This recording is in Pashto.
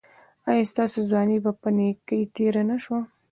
ایا ستاسو ځواني په نیکۍ تیره نه شوه؟